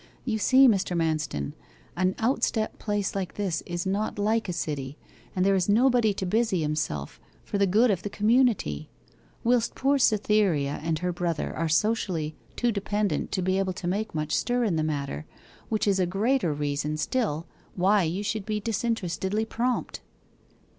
You see, Mr. Manston, an out step place like this is not like a city, and there is nobody to busy himself for the good of the community; whilst poor Cytherea and her brother are socially too dependent to be able to make much stir in the matter, which is a greater reason still why you should be disinterestedly prompt.